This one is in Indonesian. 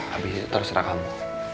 habis itu terserah kamu